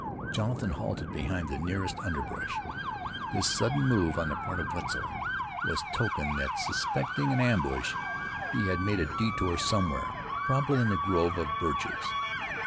Jonathan halted behind the nearest underbrush. This sudden move on the part of Wetzel was token that, suspecting an ambush, he had made a detour somewhere, probably in the grove of birches.